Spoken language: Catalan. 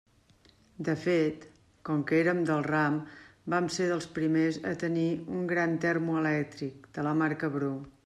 De fet, com que érem del ram, vam ser dels primers a tenir un gran termo elèctric, de la marca Bru.